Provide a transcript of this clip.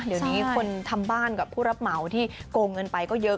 เดี๋ยวนี้คนทำบ้านกับผู้รับเหมาที่โกงเงินไปก็เยอะ